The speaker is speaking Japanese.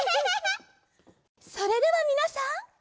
それではみなさん